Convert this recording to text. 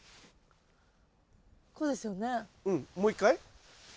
うんもう一回。